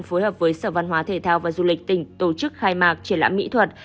phối hợp với sở văn hóa thể thao và du lịch tỉnh tổ chức khai mạc triển lãm mỹ thuật